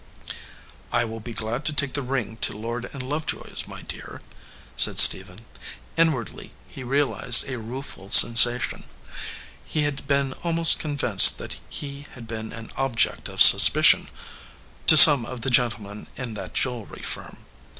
"I will be glad to take the ring to Lord & Love joy s, my dear," said Stephen. Inwardly he real ized a rueful sensation. He had been almost con vinced that he had been an object of suspicion to some of the gentlemen in that jewelry firm.